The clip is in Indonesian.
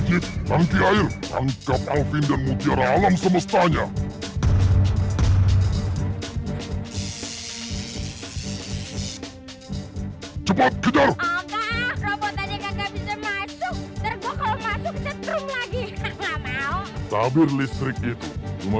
cepat kita robotnya nggak bisa masuk tergolong masuk setrum lagi tak mau tabir listrik itu cuma